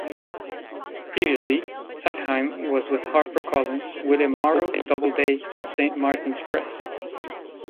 Previously, Zackheim was with Harper Collins, William Morrow, Doubleday, and Saint Martin's Press.